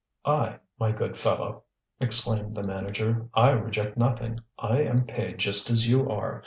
"I, my good fellow!" exclaimed the manager, "I reject nothing. I am paid just as you are.